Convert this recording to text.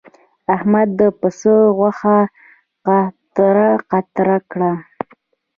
احمد د پسه غوښه قطره قطره کړه.